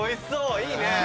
いいね。